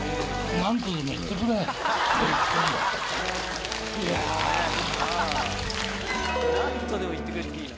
「なんとでも言ってくれ」っていいな。